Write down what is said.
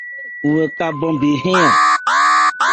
Wú hɛ ca bha bhá ncɛ́n ?